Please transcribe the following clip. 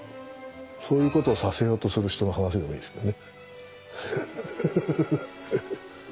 そういうことをさせようとする人の話でもいいですけどね。